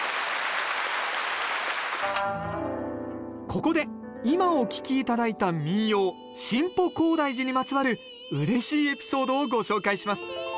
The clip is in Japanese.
ここで今お聴き頂いた民謡「新保広大寺」にまつわるうれしいエピソードをご紹介します。